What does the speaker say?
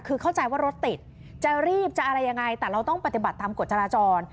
คือเข้าใจว่ารถติดจะรีบจะอะไรยังไงแต่เราต้องปฏิบัติตามกฎจราจร